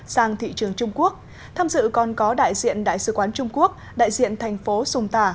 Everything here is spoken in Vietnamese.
sang thị trường trung quốc tham dự còn có đại diện đại sứ quán trung quốc đại diện thành phố sùng tả